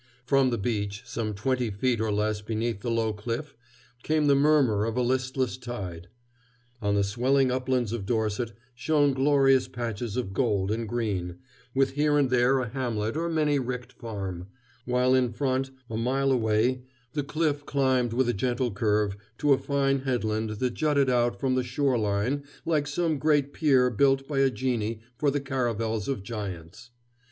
From the beach, some twenty feet or less beneath the low cliff, came the murmur of a listless tide. On the swelling uplands of Dorset shone glorious patches of gold and green, with here and there a hamlet or many ricked farm, while in front, a mile away, the cliff climbed with a gentle curve to a fine headland that jutted out from the shore line like some great pier built by a genie for the caravels of giants.